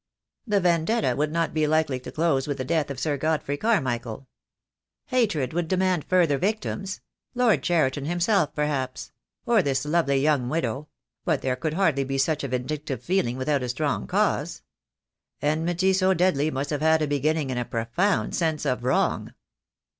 The vendetta would not be likely to close with the death of Sir Godfrey Carmichael. Hatred would demand further victims — Lord Cheriton himself perhaps — or this lovely young widow — but there could hardly be such a vindic tive feeling without a strong cause. Enmity so deadly must have had a beginning in a profound sense of wrong."